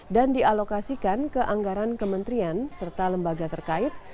dan dialokasikan ke anggaran kementerian serta lembaga terkait